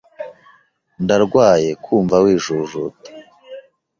Ndarwaye kumva wijujuta.